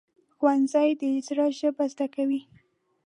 ښوونځی د زړه ژبه زده کوي